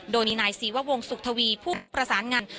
โดยนี่นายซีวะวงศุกร์ทวีผู้ประสานงาน